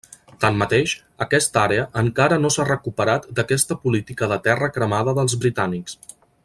Tanmateix, aquesta àrea encara no s'ha recuperat d'aquesta política de terra cremada dels britànics.